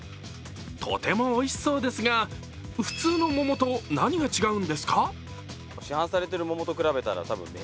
とてもおいしそうですが、普通の桃と何が違うんですか？